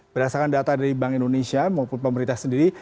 berdasarkan data dari bank indonesia maupun pemerintah sendiri